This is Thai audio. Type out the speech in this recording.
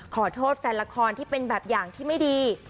ขอโทษแฟนละครที่เป็นแบบอย่างที่ไม่ดี